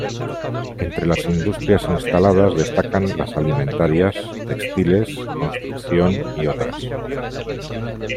Entre las industrias instaladas destacan las alimentarias, textiles, construcción y otras.